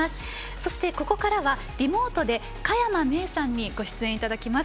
そして、ここからはリモートで佳山明さんにご出演いただきます。